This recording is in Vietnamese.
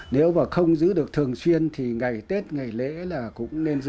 nếu mà không giữ được thường xuyên thì ngày tết ngày lễ là cũng nên giữ